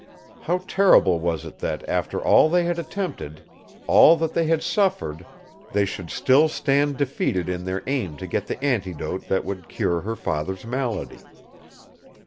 How terrible was it that, after all they had attempted, all that they had suffered, they should still stand defeated in their aim to get the antidote that would cure her father's malady.